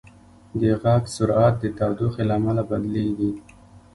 د غږ سرعت د تودوخې له امله بدلېږي.